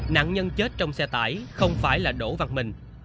nạn nhân chết trong xe tải không phải là đỗ văn bình